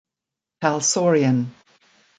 Talsorian.